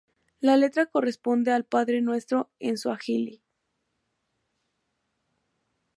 La letra corresponde al Padre Nuestro en suajili.